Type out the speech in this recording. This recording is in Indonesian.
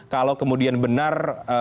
kalau kemudian benar